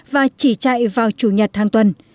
và chỉ chạy vào chủ nhật hàng tuần